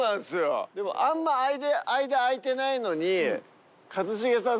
でもあんま間空いてないのに一茂さん